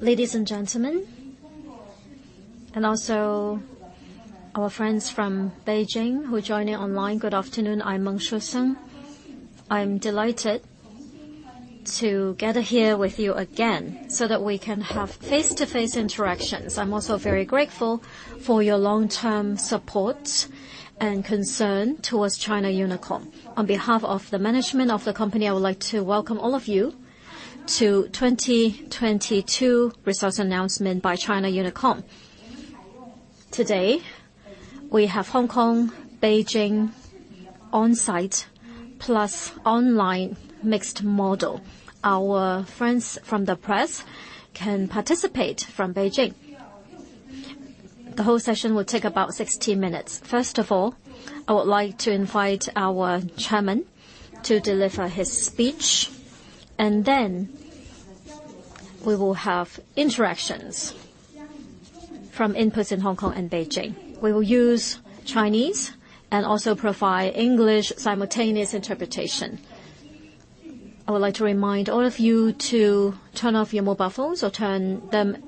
Ladies and gentlemen, and also our friends from Beijing who are joining online, good afternoon, I'm Meng Shusen. I'm delighted to gather here with you again so that we can have face-to-face interactions. I'm also very grateful for your long-term support and concern towards China Unicom. On behalf of the management of the company, I would like to welcome all of you to 2022 resource announcement by China Unicom. Today, we have Hong Kong-Beijing on-site plus online mixed model. Our friends from the press can participate from Beijing. The whole session will take about 60 minutes. First of all, I would like to invite our Chairman to deliver his speech, and then we will have interactions from inputs in Hong Kong and Beijing. We will use Chinese and also provide English simultaneous interpretation. I would like to remind all of you to turn off your mobile phones or turn them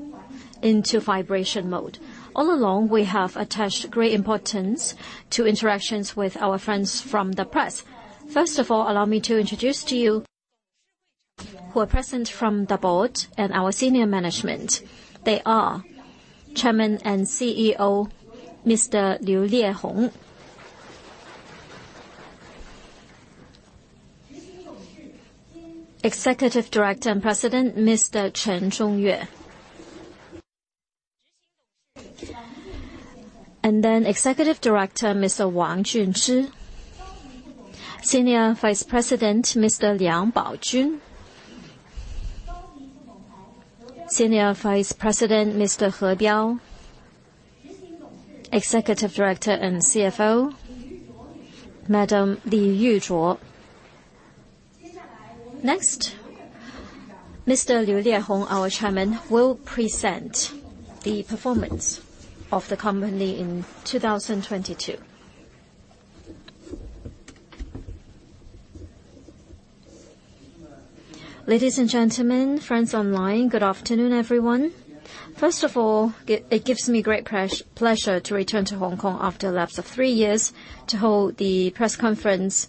into vibration mode. All along, we have attached great importance to interactions with our friends from the press. Allow me to introduce to you who are present from the board and our senior management. They are Chairman and CEO, Mr. Liu Liehong. Executive Director and President, Mr. Chen Zhongyue. Executive Director, Mr. Wang Junzhi. Senior Vice President, Mr. Liang Baojun. Senior Vice President, Mr. He Biao. Executive Director and CFO, Madam Li Yuzhuo. Mr. Liu Liehong, our chairman, will present the performance of the company in 2022. Ladies and gentlemen, friends online, good afternoon, everyone. It gives me great pleasure to return to Hong Kong after a lapse of three years to hold the press conference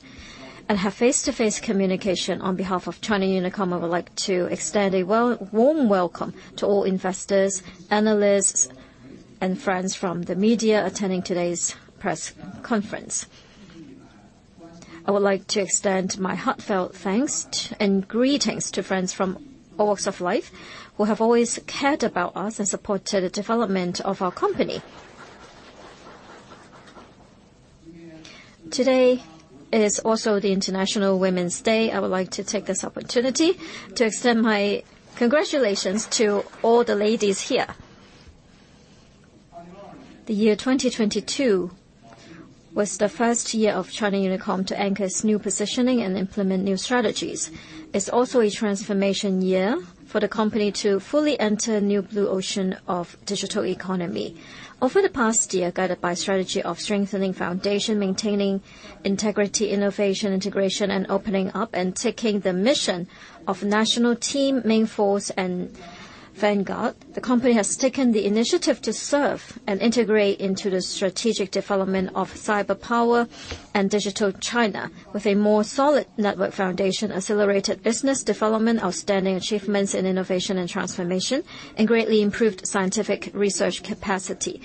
and have face-to-face communication. On behalf of China Unicom, I would like to extend a warm welcome to all investors, analysts, and friends from the media attending today's press conference. I would like to extend my heartfelt thanks and greetings to friends from all walks of life who have always cared about us and supported the development of our company. Today is also International Women's Day. I would like to take this opportunity to extend my congratulations to all the ladies here. The year 2022 was the first year of China Unicom to anchor its new positioning and implement new strategies. It's also a transformation year for the company to fully enter new blue ocean of digital economy. Over the past year, guided by strategy of strengthening foundation, maintaining integrity, innovation, integration, and opening up, and taking the mission of national team main force and vanguard, the company has taken the initiative to serve and integrate into the strategic development of cyber power and digital China with a more solid network foundation, accelerated business development, outstanding achievements in innovation and transformation, and greatly improved scientific research capacity.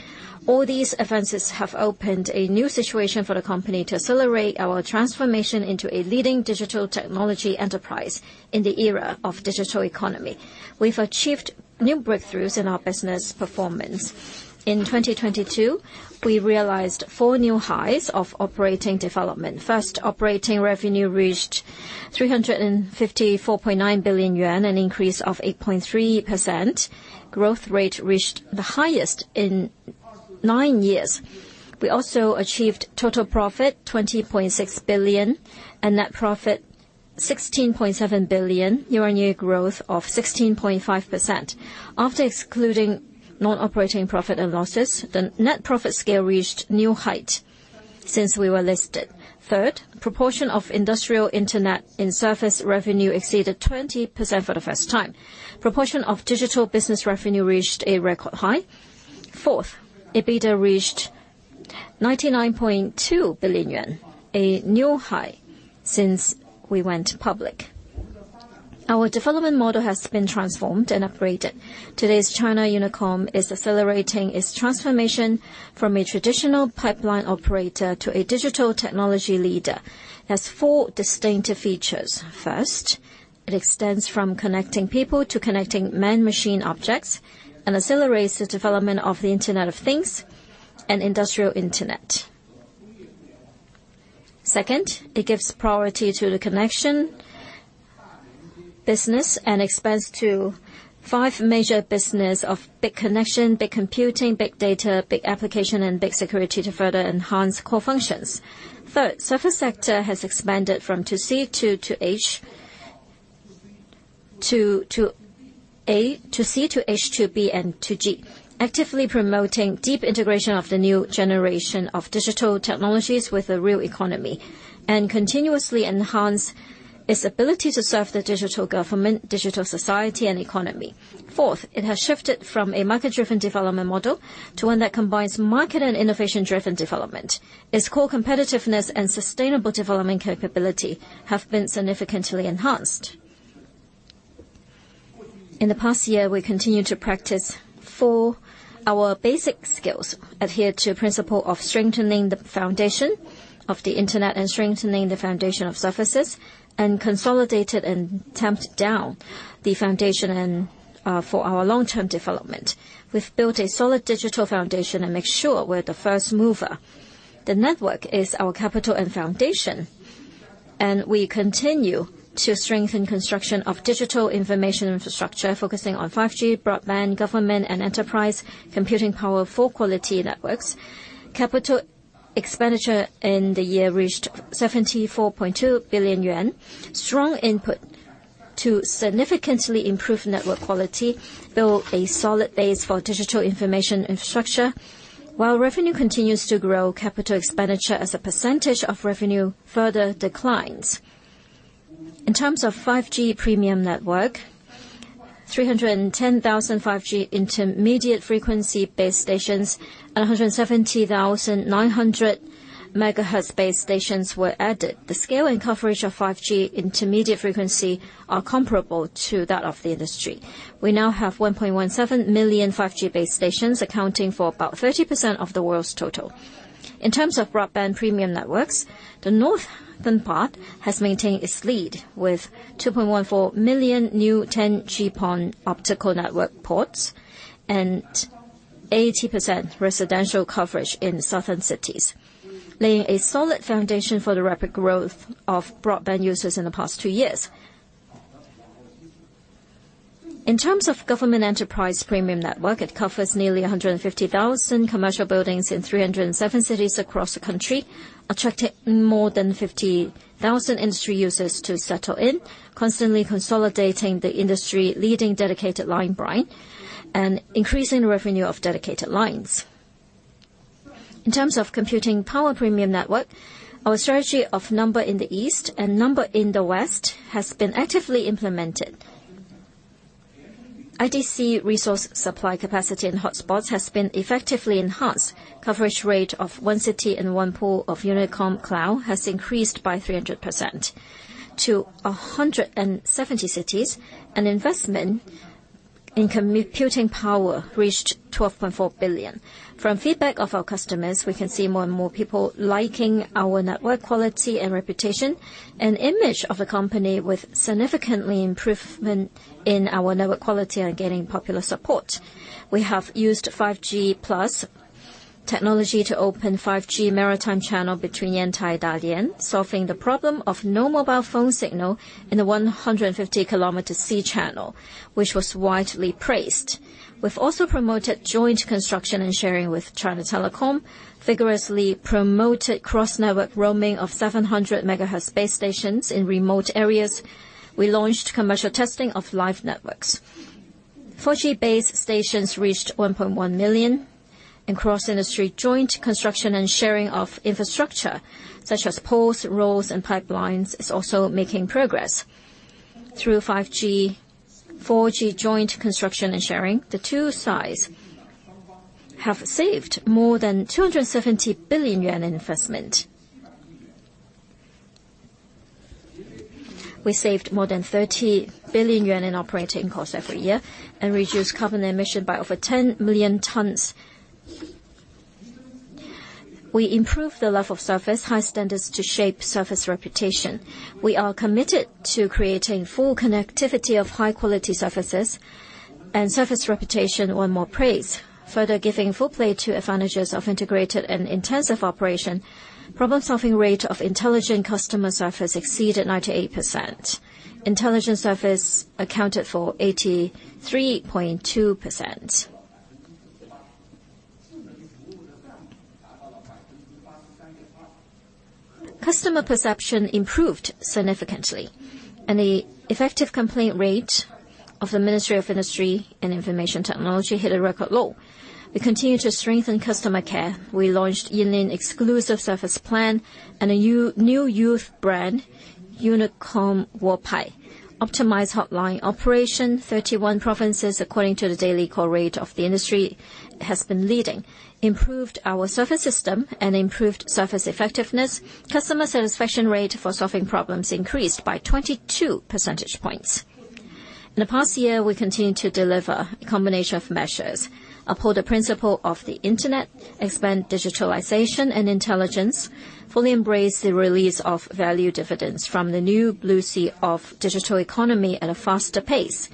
All these advances have opened a new situation for the company to accelerate our transformation into a leading digital technology enterprise in the era of digital economy. We've achieved new breakthroughs in our business performance. In 2022, we realized four new highs of operating development. First, operating revenue reached 354.9 billion yuan, an increase of 8.3%. Growth rate reached the highest in nine years. We also achieved total profit, 20.6 billion, and net profit, 16.7 billion, year-on-year growth of 16.5%. After excluding non-operating profit and losses, the net profit scale reached new height since we were listed. Third, proportion of Industrial Internet in service revenue exceeded 20% for the first time. Proportion of digital business revenue reached a record high. Fourth, EBITDA reached 99.2 billion yuan, a new high since we went public. Our development model has been transformed and upgraded. Today's China Unicom is accelerating its transformation from a traditional pipeline operator to a digital technology leader. It has four distinctive features. First, it extends from connecting people to connecting man-machine objects and accelerates the development of the Internet of Things and Industrial Internet. Second, it gives priority to the connection business and expands to five major business of big connection, big computing, big data, big application, and big security to further enhance core functions. Third, service sector has expanded from 2C to 2H, to C, to H, to B, and to G. Actively promoting deep integration of the new generation of digital technologies with the real economy. Continuously enhance its ability to serve the digital government, digital society and economy. Fourth, it has shifted from a market-driven development model to one that combines market and innovation-driven development. Its core competitiveness and sustainable development capability have been significantly enhanced. In the past year, we continued to practice four... Our basic skills adhere to principle of strengthening the foundation of the internet and strengthening the foundation of services, and consolidated and tamped down the foundation for our long-term development. We've built a solid digital foundation and make sure we're the first mover. The network is our capital and foundation. We continue to strengthen construction of digital information infrastructure, focusing on 5G, broadband, government, and enterprise computing power for quality networks. Capital expenditure in the year reached 74.2 billion yuan. Strong input to significantly improve network quality, build a solid base for digital information infrastructure. While revenue continues to grow, capital expenditure as a percentage of revenue further declines. In terms of 5G premium network, 310,000 5G intermediate frequency base stations and 170,900 900 MHz base stations were added. The scale and coverage of 5G intermediate frequency are comparable to that of the industry. We now have 1.17 million 5G base stations, accounting for about 30% of the world's total. In terms of broadband premium networks, the northern part has maintained its lead with 2.14 million new 10G-PON optical network ports and 80% residential coverage in southern cities, laying a solid foundation for the rapid growth of broadband users in the past two years. In terms of government enterprise premium network, it covers nearly 150,000 commercial buildings in 307 cities across the country, attracting more than 50,000 industry users to settle in. Constantly consolidating the industry, leading dedicated line brand, and increasing revenue of dedicated lines. In terms of computing power premium network, our strategy of number in the East and number in the West has been actively implemented. IDC resource supply capacity in hotspots has been effectively enhanced. Coverage rate of one city and one pool of Unicom Cloud has increased by 300% to 170 cities. Investment in computing power reached 12.4 billion. From feedback of our customers, we can see more and more people liking our network quality and reputation, and image of a company with significantly improvement in our network quality are getting popular support. We have used 5G plus technology to open 5G maritime channel between Yantai, Dalian, solving the problem of no mobile phone signal in the 150 km C channel, which was widely praised. We've also promoted joint construction and sharing with China Telecom, vigorously promoted cross-network roaming of 700 MHz base stations in remote areas. We launched commercial testing of live networks. 4G base stations reached 1.1 million. Cross-industry joint construction and sharing of infrastructure such as poles, roads, and pipelines is also making progress. Through 5G, 4G joint construction and sharing, the two sides have saved more than CNY 270 billion in investment. We saved more than 30 billion yuan in operating costs every year and reduced carbon emission by over 10 million tons. We improved the level of service high standards to shape service reputation. We are committed to creating full connectivity of high-quality services and service reputation won more praise, further giving full play to advantages of integrated and intensive operation. Problem-solving rate of intelligent customer service exceeded 98%. Intelligent service accounted for 83.2%. Customer perception improved significantly, and the effective complaint rate of the Ministry of Industry and Information Technology hit a record low. We continue to strengthen customer care. We launched Yinling exclusive service plan and a new youth brand, Unicom Wo Pai. Optimized hotline operation, 31 provinces, according to the daily call rate of the industry, has been leading. Improved our service system and improved service effectiveness. Customer satisfaction rate for solving problems increased by 22 percentage points. In the past year, we continued to deliver a combination of measures. Uphold the principle of the Internet, expand digitalization and intelligence, fully embrace the release of value dividends from the new blue sea of digital economy at a faster pace.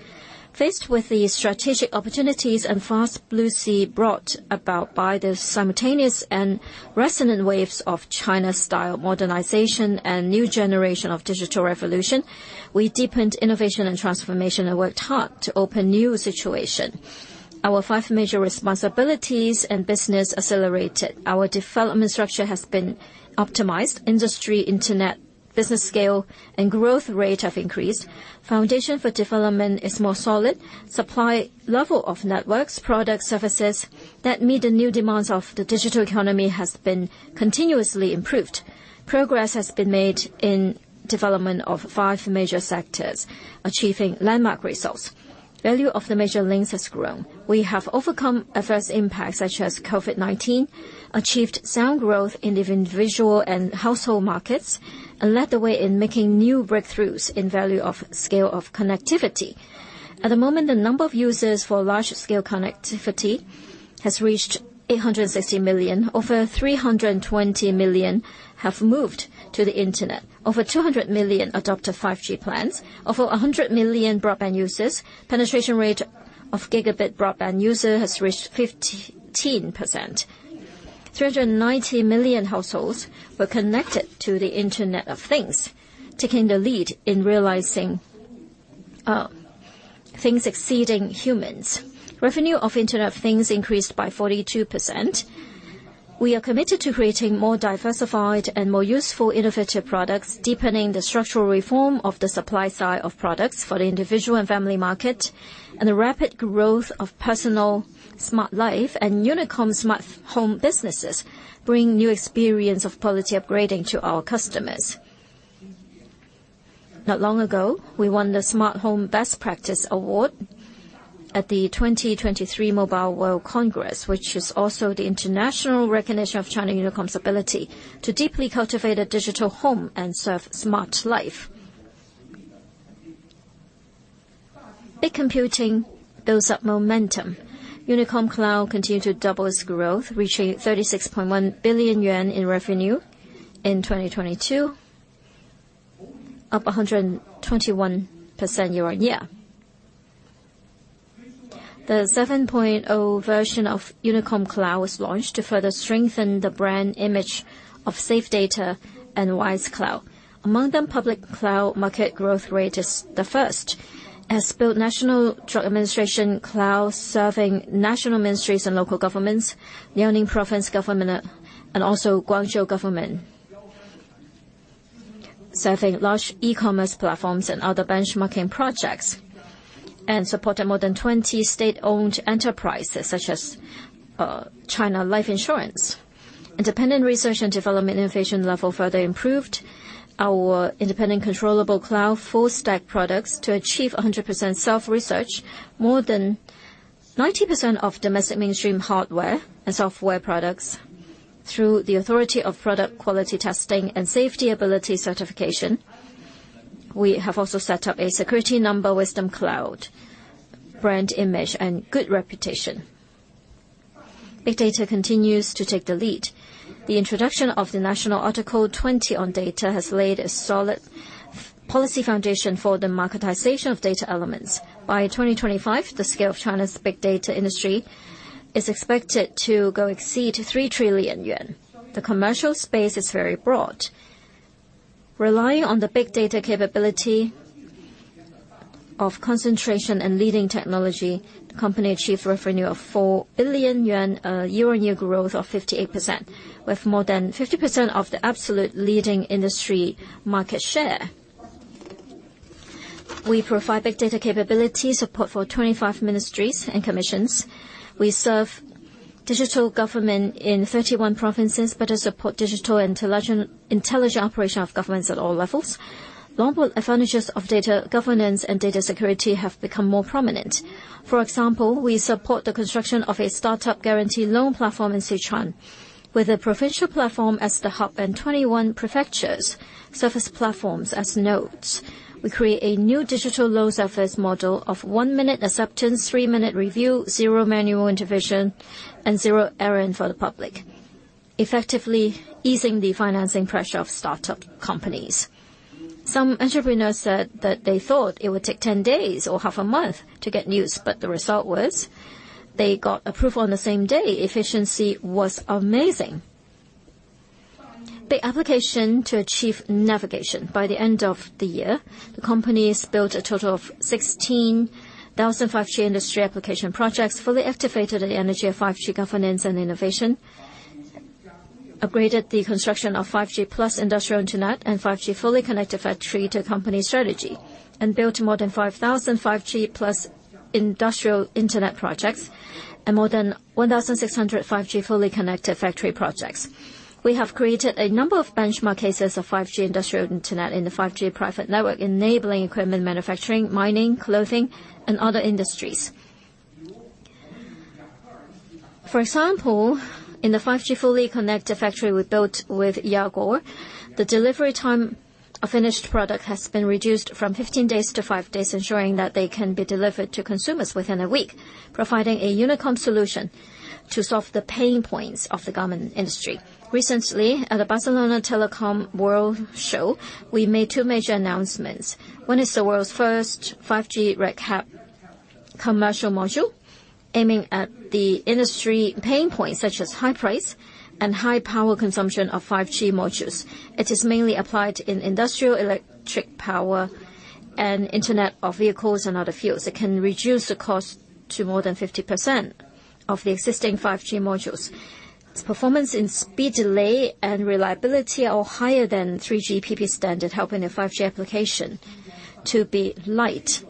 Faced with the strategic opportunities and fast blue sea brought about by the simultaneous and resonant waves of China-style modernization and new generation of digital revolution, we deepened innovation and transformation and worked hard to open new situation. Our five major responsibilities and business accelerated. Our development structure has been optimized. Industry, Internet business scale and growth rate have increased. Foundation for development is more solid. Supply level of networks, product services that meet the new demands of the digital economy has been continuously improved. Progress has been made in development of five major sectors, achieving landmark results. Value of the major links has grown. We have overcome adverse impacts such as COVID-19, achieved sound growth in the individual and household markets, and led the way in making new breakthroughs in value of scale of connectivity. At the moment, the number of users for large-scale connectivity has reached 860 million. Over 320 million have moved to the Internet. Over 200 million adopted 5G plans. Over 100 million broadband users. Penetration rate of gigabit broadband user has reached 15%. 390 million households were connected to the Internet of Things, taking the lead in realizing things exceeding humans. Revenue of Internet things increased by 42%. We are committed to creating more diversified and more useful innovative products, deepening the structural reform of the supply side of products for the individual and family market, and the rapid growth of personal smart life and Unicom Smart Home businesses bring new experience of quality upgrading to our customers. Not long ago, we won the Smart Home Best Practice Award at the 2023 Mobile World Congress, which is also the international recognition of China Unicom's ability to deeply cultivate a digital home and serve smart life. Big computing builds up momentum. Unicom Cloud continued to double its growth, reaching 36.1 billion yuan in revenue in 2022, up 121% year-on-year. The 7.0 version of Unicom Cloud was launched to further strengthen the brand image of safe data and wise cloud. Among them, public cloud market growth rate is the first. Has built National Drug Administration cloud serving national ministries and local governments, Liaoning Province government and also Guangzhou government. Serving large e-commerce platforms and other benchmarking projects, and supported more than 20 state-owned enterprises such as China Life Insurance. Independent research and development innovation level further improved. Our independent controllable cloud full stack products to achieve 100% self-research. More than 90% of domestic mainstream hardware and software products through the authority of product quality testing and safety ability certification. We have also set up a security number wisdom cloud, brand image and good reputation. Big data continues to take the lead. The introduction of the National 20 Data Measures has laid a solid policy foundation for the marketization of data elements. By 2025, the scale of China's big data industry is expected to exceed 3 trillion yuan. The commercial space is very broad. Relying on the big data capability of concentration and leading technology, the company achieved revenue of 4 billion yuan, a year-over-year growth of 58%, with more than 50% of the absolute leading industry market share. We provide big data capability support for 25 ministries and commissions. We serve digital government in 31 provinces, better support digital intelligent operation of governments at all levels. Longboard advantages of data governance and data security have become more prominent. We support the construction of a startup guarantee loan platform in Sichuan. With a provincial platform as the hub and 21 prefectures surface platforms as nodes, we create a new digital loan surface model of one-minute acceptance, three-minute review, zero manual intervention, and zero errand for the public, effectively easing the financing pressure of startup companies. Some entrepreneurs said that they thought it would take 10 days or half a month to get news, the result was they got approval on the same day. Efficiency was amazing. The application to achieve navigation. By the end of the year, the company's built a total of 16,000 5G industry application projects, fully activated the energy of 5G governance and innovation, upgraded the construction of 5G plus industrial internet and 5G fully connected factory to company strategy, and built more than 5,000 5G plus industrial internet projects and more than 1,600 5G fully connected factory projects. We have created a number of benchmark cases of 5G industrial internet in the 5G private network, enabling equipment manufacturing, mining, clothing, and other industries. For example, in the 5G fully connected factory we built with Youngor, the delivery time of finished product has been reduced from 15 days to five days, ensuring that they can be delivered to consumers within one week, providing a Unicom solution to solve the pain points of the garment industry. Recently, at the Barcelona Telecom World show, we made two major announcements. One is the world's first 5G RedCap commercial module, aiming at the industry pain points such as high price and high power consumption of 5G modules. It is mainly applied in industrial electric power, and Internet of vehicles and other fields. It can reduce the cost to more than 50% of the existing 5G modules. Its performance in speed, delay, and reliability are higher than 3GPP standard, helping the 5G application to be light.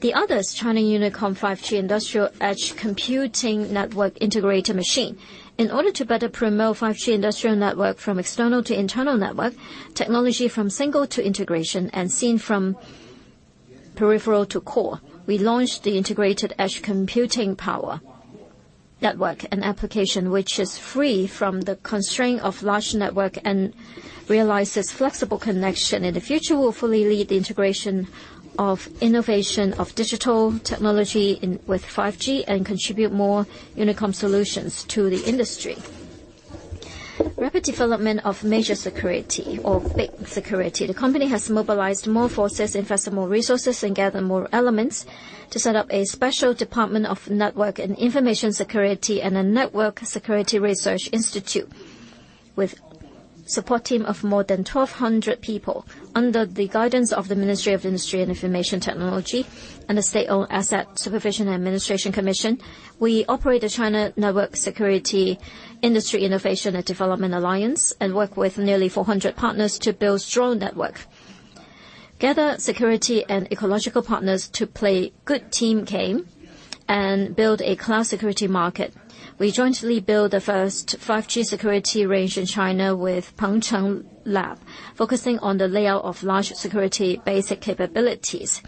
The other is China Unicom 5G industrial edge computing network integrated machine. In order to better promote 5G industrial network from external to internal network, technology from single to integration, and scene from peripheral to core, we launched the integrated edge computing power network and application, which is free from the constraint of large network and realizes flexible connection. In the future, we'll fully lead the integration of innovation of digital technology with 5G, and contribute more Unicom solutions to the industry. Rapid development of major security or big security. The company has mobilized more forces, invest more resources, and gather more elements to set up a special department of network and information security and a network security research institute with support team of more than 1,200 people. Under the guidance of the Ministry of Industry and Information Technology and the State-Owned Assets Supervision and Administration Commission, we operate a China Network Security Industry Innovation and Development Alliance, and work with nearly 400 partners to build strong network, gather security and ecological partners to play good team game, and build a cloud security market. We jointly build the first 5G security range in China with Pengcheng Laboratory, focusing on the layout of large security basic capabilities.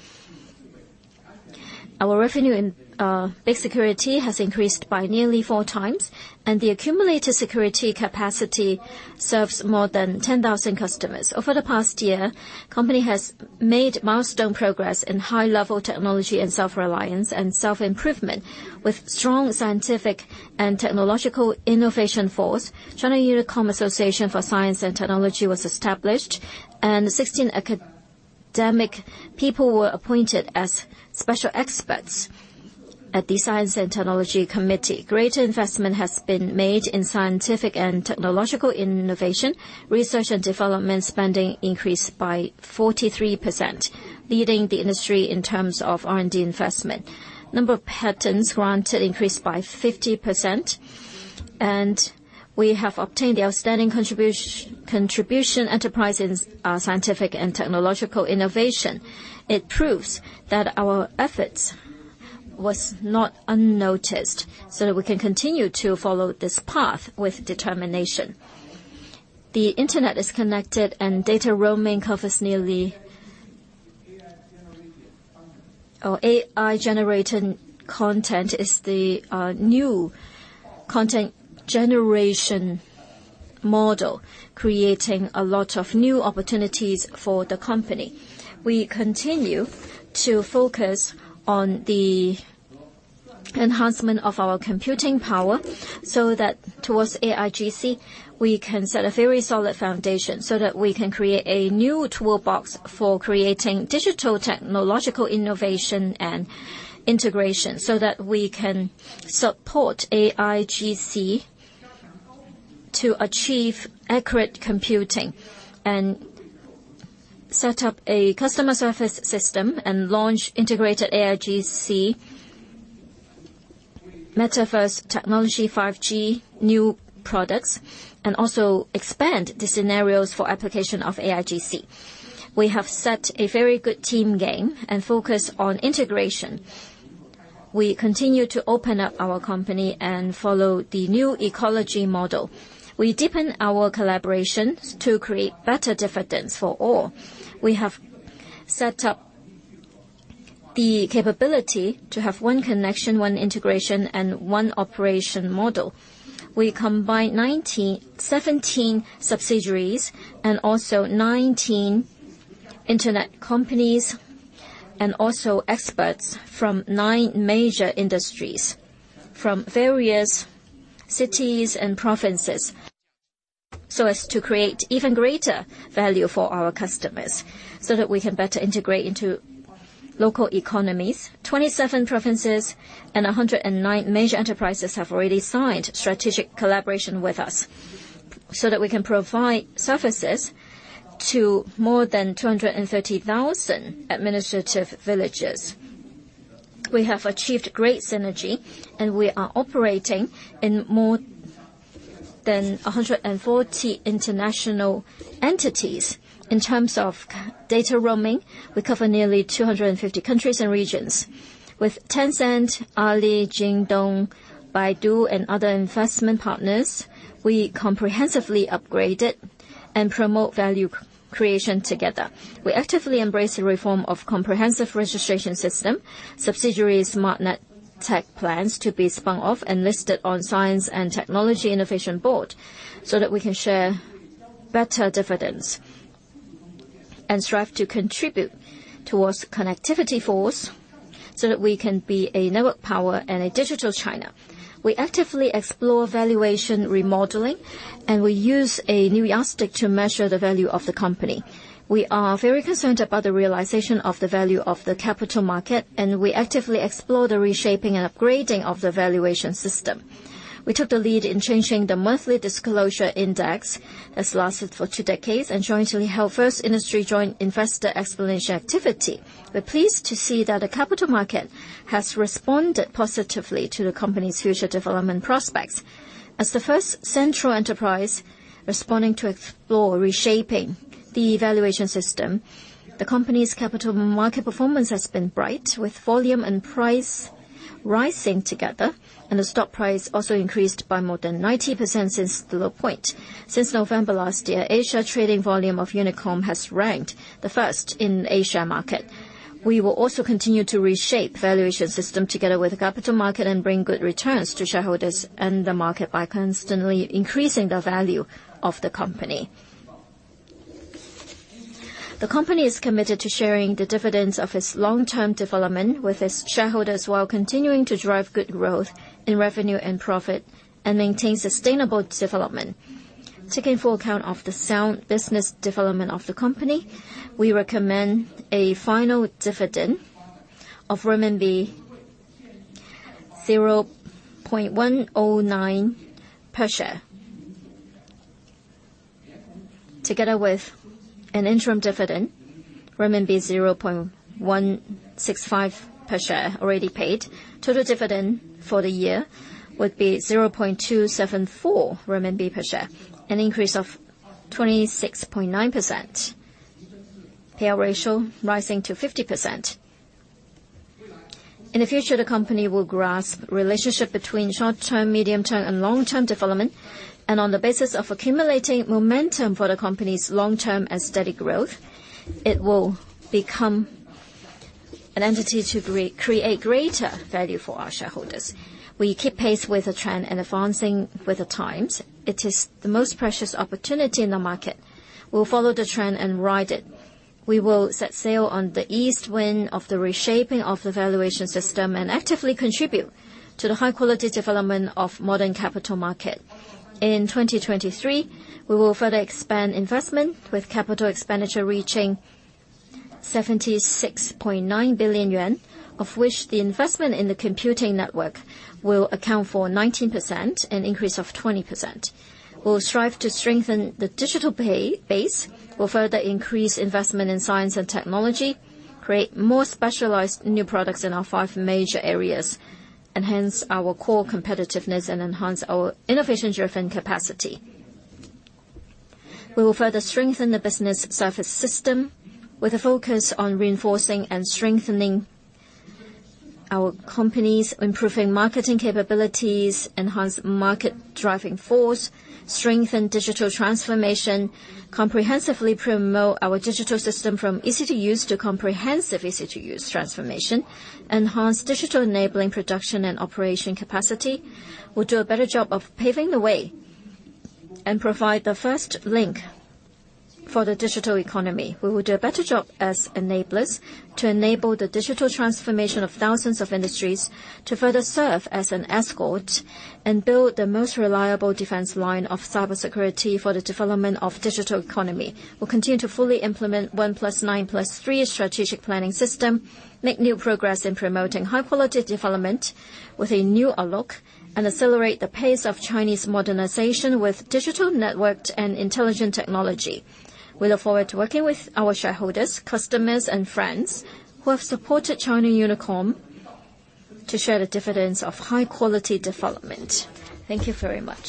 Our revenue in big security has increased by nearly four times, and the accumulated security capacity serves more than 10,000 customers. Over the past year, company has made milestone progress in high-level technology and self-reliance and self-improvement with strong scientific and technological innovation force. China Unicom Science and Technology Association was established, and 16 academic people were appointed as special experts at the Science and Technology Committee. Greater investment has been made in scientific and technological innovation. Research and development spending increased by 43%, leading the industry in terms of R&D investment. Number of patents granted increased by 50%, and we have obtained the outstanding contribution enterprise in scientific and technological innovation. It proves that our efforts was not unnoticed, so that we can continue to follow this path with determination. The Internet is connected, and data roaming covers nearly. AI-generated content is the new content generation model, creating a lot of new opportunities for the company. We continue to focus on the enhancement of our computing power so that towards AIGC, we can set a very solid foundation so that we can create a new toolbox for creating digital technological innovation and integration, so that we can support AIGC to achieve accurate computing and set up a customer service system and launch integrated AIGC metaverse technology, 5G new products, and also expand the scenarios for application of AIGC. We have set a very good team game and focus on integration. We continue to open up our company and follow the new ecology model. We deepen our collaborations to create better dividends for all. We have set up the capability to have one connection, one integration, and one operation model. We combine 17 subsidiaries and also 19 Internet companies, and also experts from 9 major industries from various cities and provinces, so as to create even greater value for our customers, so that we can better integrate into local economies. 27 provinces and 109 major enterprises have already signed strategic collaboration with us so that we can provide services to more than 230,000 administrative villages. We have achieved great synergy. We are operating in more than 140 international entities. In terms of data roaming, we cover nearly 250 countries and regions. With Tencent, Ali, Jingdong, Baidu, and other investment partners, we comprehensively upgrade it and promote value creation together. We actively embrace the reform of comprehensive registration system, subsidiary Smart Net Tech plans to be spun off and listed on science and technology innovation board so that we can share better dividends, and strive to contribute towards connectivity force so that we can be a network power and a digital China. We actively explore valuation remodeling, and we use a new yardstick to measure the value of the company. We are very concerned about the realization of the value of the capital market, and we actively explore the reshaping and upgrading of the valuation system. We took the lead in changing the monthly disclosure index that's lasted for two decades and jointly held first industry joint investor explanation activity. We're pleased to see that the capital market has responded positively to the company's future development prospects. As the first central enterprise responding to explore reshaping the evaluation system, the company's capital market performance has been bright, with volume and price rising together, and the stock price also increased by more than 90% since the low point. Since November last year, Asia trading volume of China Unicom has ranked the first in A-share market. We will also continue to reshape valuation system together with the capital market and bring good returns to shareholders and the market by constantly increasing the value of the company. The company is committed to sharing the dividends of its long-term development with its shareholders, while continuing to drive good growth in revenue and profit and maintain sustainable development. Taking full account of the sound business development of the company, we recommend a final dividend of RMB 0.109 per share. Together with an interim dividend, renminbi 0.165 per share already paid. Total dividend for the year would be 0.274 renminbi per share, an increase of 26.9%. Payout ratio rising to 50%. In the future, the company will grasp relationship between short-term, medium-term, and long-term development, and on the basis of accumulating momentum for the company's long-term and steady growth, it will become an entity to create greater value for our shareholders. We keep pace with the trend and advancing with the times. It is the most precious opportunity in the market. We'll follow the trend and ride it. We will set sail on the east wind of the reshaping of the valuation system and actively contribute to the high-quality development of modern capital market. In 2023, we will further expand investment, with capital expenditure reaching 76.9 billion yuan, of which the investment in the computing network will account for 19%, an increase of 20%. We'll strive to strengthen the digital base. We'll further increase investment in science and technology, create more specialized new products in our five major areas, enhance our core competitiveness, and enhance our innovation-driven capacity. We will further strengthen the business service system with a focus on reinforcing and strengthening our companies, improving marketing capabilities, enhance market-driving force, strengthen digital transformation, comprehensively promote our digital system from easy-to-use to comprehensive easy-to-use transformation, enhance digital enabling production and operation capacity. We'll do a better job of paving the way and provide the first link for the digital economy. We will do a better job as enablers to enable the digital transformation of thousands of industries to further serve as an escort and build the most reliable defense line of cybersecurity for the development of digital economy. We'll continue to fully implement 1+9+3 strategic planning system, make new progress in promoting high-quality development with a new outlook, and accelerate the pace of Chinese modernization with digital, networked, and intelligent technology. We look forward to working with our shareholders, customers, and friends who have supported China Unicom to share the dividends of high-quality development. Thank you very much.